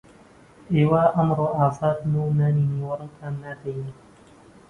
ئێوە ئەمڕۆ ئازادن و نانی نیوەڕۆتان نادەینێ